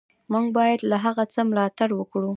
موږ باید له هغه څه ملاتړ وکړو.